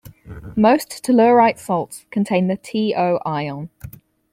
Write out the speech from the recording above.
Most tellurite salts contain the TeO ion.